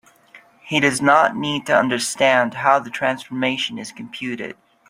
He does not need to understand how the transformation is computed.